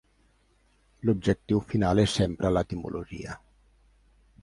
L'objectiu final és sempre l'etimologia.